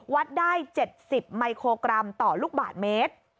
วัดได้๗๐มิโครกรัมต่อลูกบาทเมตร